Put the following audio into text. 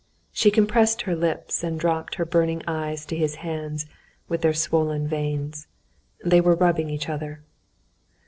she compressed her lips, and dropped her burning eyes to his hands with their swollen veins. They were rubbing each other.